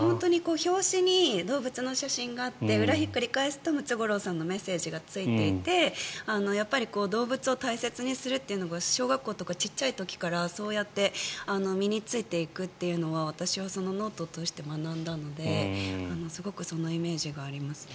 表紙に動物の写真があって裏をひっくり返すとムツゴロウさんのメッセージがついていて動物を大切にするっていうのが小学校とか小さい時からそうやって身についていくというのは私はそのノートを通して学んだのですごくそのイメージがありますね。